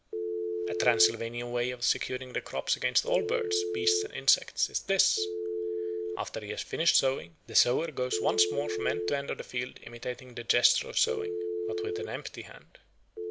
A Transylvanian way of securing the crops against all birds, beasts, and insects, is this: after he has finished sowing, the sower goes once more from end to end of the field imitating the gesture of sowing, but with an empty hand.